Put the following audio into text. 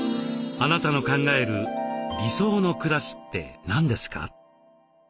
あなたの考える「理想の暮らし」って何ですか？